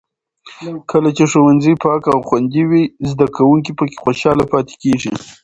کله چې ښوونځي پاک او خوندي وي، زده کوونکي پکې خوشحاله پاتې کېږي.